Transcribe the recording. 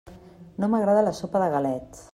No m'agrada la sopa de galets.